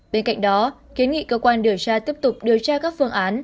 bên cạnh đó kiến nghị cơ quan điều tra tiếp tục điều tra các phương án